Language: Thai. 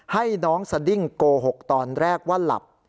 ให้น้องสดิ้งโกหกตอนแรกว่าหลับ